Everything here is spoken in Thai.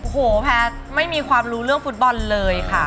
โอ้โหแพทย์ไม่มีความรู้เรื่องฟุตบอลเลยค่ะ